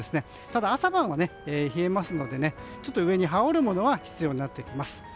ただ朝晩は冷えますのでちょっと上に羽織るものは必要になってきます。